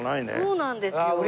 そうなんですよ。